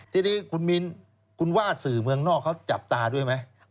ทีนี้คุณมิ้นคุณว่าสื่อเมืองนอกเขาจับตาด้วยไหม